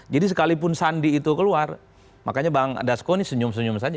jadi sekalipun sandi itu keluar makanya bang dasko senyum senyum saja